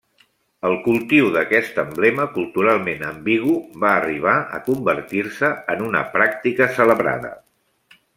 El cultiu d’aquest emblema culturalment ambigu va arribar a convertir-se en una pràctica celebrada.